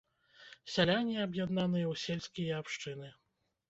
Сяляне аб'яднаныя ў сельскія абшчыны.